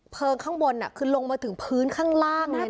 เพลิงข้างบนน่ะคือลงมาถึงพื้นข้างล่างเลยนะคะ